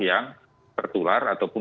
yang tertular ataupun